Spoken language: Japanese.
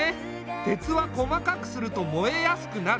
鉄は細かくすると燃えやすくなる。